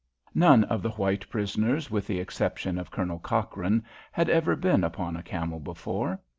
None of the white prisoners with the exception of Colonel Cochrane had ever been upon a camel before.